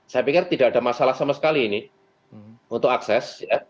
saya pikir tidak ada masalah sama sekali ini untuk akses